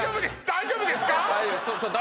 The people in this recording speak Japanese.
大丈夫ですか？